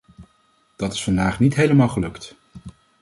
Dat is vandaag niet helemaal gelukt.